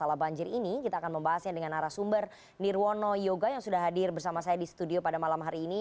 masalah banjir ini kita akan membahasnya dengan arah sumber nirwono yoga yang sudah hadir bersama saya di studio pada malam hari ini